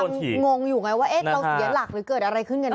งงอยู่ไงว่าเราเสียหลักหรือเกิดอะไรขึ้นกันแ